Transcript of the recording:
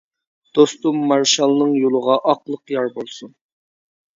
دوستۇم مارشالنىڭ يولىغا ئاقلىق يار بولسۇن!